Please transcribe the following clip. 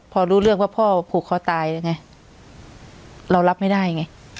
พอรู้เรื่องว่าพ่อผูกคอตายไงเรารับไม่ได้ไง